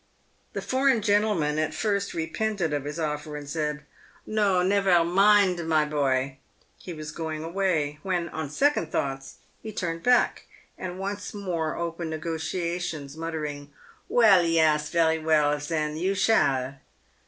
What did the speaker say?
The foreign gentleman at first repented of his offer, and said, " No, nevar mind, my boie." He was going away, when, on second thoughts, he turned back, and once more opened nego tiations, muttering, " Well, yas — very well, sen — you shall."